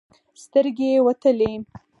سترګې يې وتلې.